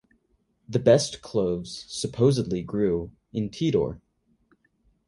The best cloves supposedly grew in Tidore.